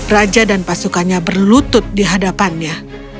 raja dan pasukannya berlutut di hadapannya